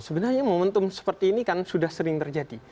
sebenarnya momentum seperti ini kan sudah sering terjadi